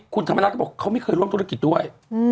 คุณธรรมนัฐก็บอกเขาไม่เคยร่วมธุรกิจด้วย